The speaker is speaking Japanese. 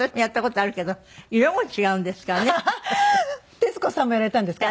徹子さんもやられたんですか？